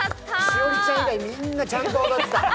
栞里ちゃん以外、みんなちゃんと踊れてた。